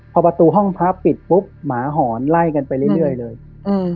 พอประตูห้องพระปิดปุ๊บหมาหอนไล่กันไปเรื่อยเรื่อยเลยอืม